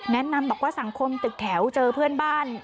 แนะนำบอกว่าสังคมตึกแถวเจอเพื่อนบ้าน